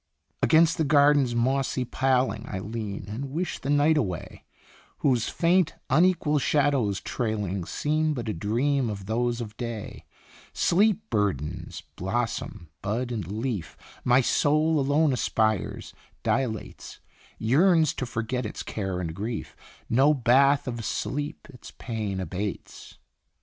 Against the garden's mossy paling I lean, and wish the night away, Whose faint, unequal shadows trailing Seem but a dream of those of day. Sleep burdens blossom, bud, and leaf, My soul alone aspires, dilates, Yearns to forget its care and grief No bath of sleep its pain abates.